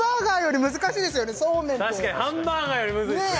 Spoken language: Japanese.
確かにハンバーガーよりむずいっすね・